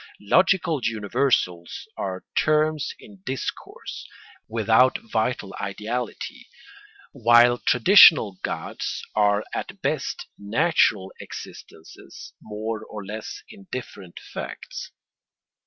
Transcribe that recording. Logical universals are terms in discourse, without vital ideality, while traditional gods are at best natural existences, more or less indifferent facts.